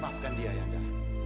maafkan dia yanda